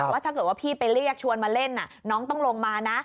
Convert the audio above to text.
ว่าถ้าเกิดว่าพี่ไปเรียกชวนมาเล่นน้องต้องลงมานะ